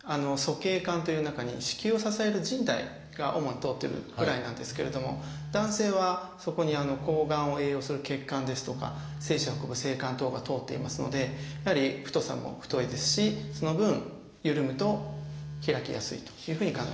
鼠径管という中に子宮を支えるじん帯が主に通ってるぐらいなんですけれども男性はそこに睾丸を栄養する血管ですとか精子を運ぶ精管等が通っていますのでやはり太さも太いですしその分ゆるむと開きやすいというふうに考えられてます。